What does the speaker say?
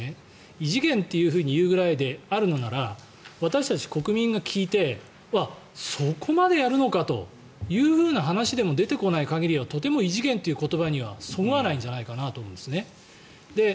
異次元というふうに言うくらいであるなら私たち国民が聞いてわっ、そこまでやるのかという話でも出てこない限りはとても異次元という言葉にはそぐわないんじゃないかなと思うんですね。